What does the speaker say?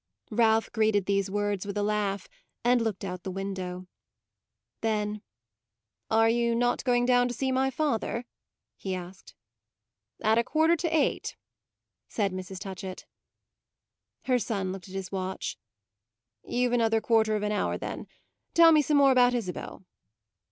Ralph greeted these words with a laugh and looked out of the window. Then, "Are you not going down to see my father?" he asked. "At a quarter to eight," said Mrs. Touchett. Her son looked at his watch. "You've another quarter of an hour then. Tell me some more about Isabel."